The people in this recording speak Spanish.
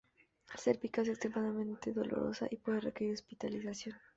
Al ser picado es extremadamente dolorosa y puede requerir hospitalización.